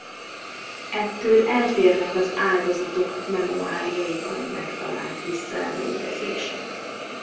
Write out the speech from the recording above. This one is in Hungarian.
Ettől eltérnek az áldozatok memoárjaiban megtalált visszaemlékezések.